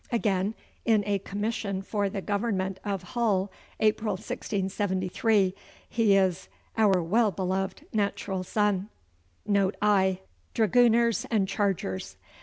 Again, in a commission for the government of Hull, April 1673, he is 'our well beloved natural son.' Note I. Dragooners and Chargers.